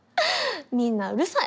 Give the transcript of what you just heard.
みんなうるさい！